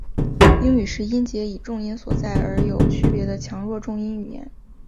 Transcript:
英语是音节以重音所在而有区别的强弱重音语言。